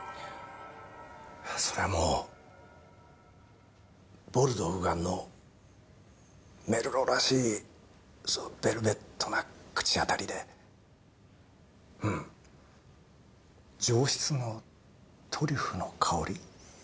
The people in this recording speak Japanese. それはもうボルドー右岸のメルローらしいそうベルベットな口当たりでうん上質のトリュフの香り。